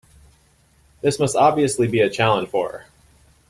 This must obviously be a challenge for her.